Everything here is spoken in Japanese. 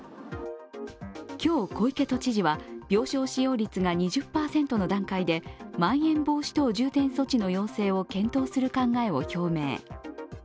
今日、小池都知事は病床使用率が２０％の段階でまん延防止等重点措置の要請を検討する考えを表明。